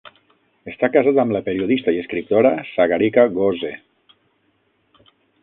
Està casat amb la periodista i escriptora Sagarika Ghose.